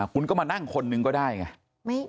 คุณก็มานั่งคนหนึ่งก็ได้ไง